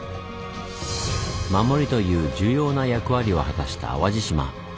「守り」という重要な役割を果たした淡路島。